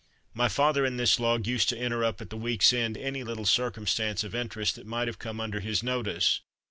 My father in this "Log," used to enter up at the week's end any little circumstance of interest that might have come under his notice.